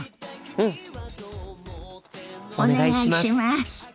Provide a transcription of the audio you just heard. うん！お願いします。